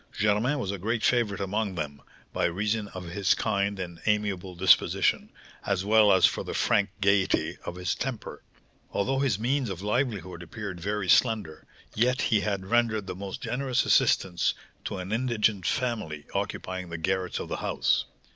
Germain was a great favourite among them, by reason of his kind and amiable disposition, as well as for the frank gaiety of his temper. Although his means of livelihood appeared very slender, yet he had rendered the most generous assistance to an indigent family occupying the garrets of the house.